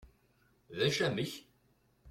d acu amek?